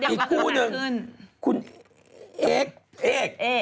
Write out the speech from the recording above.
อีกคู่หนึ่งคุณเอกเอก